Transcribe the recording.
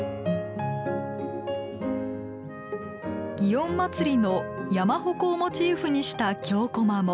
祇園祭の山鉾をモチーフにした京こまも。